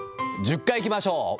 １０回いきましょう。